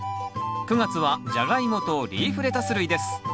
９月は「ジャガイモ」と「リーフレタス類」です。